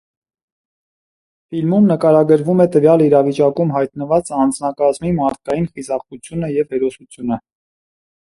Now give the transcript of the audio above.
Ֆիլմում նկարագրվում է տվյալ իրավիճակում հայտնված անձնակազմի մարդկային խիզախությունը և հերոսությունը։